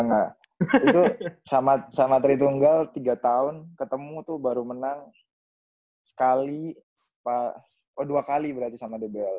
enggak enggak itu sama tri tunggal tiga tahun ketemu tuh baru menang sekali oh dua kali berarti sama dbl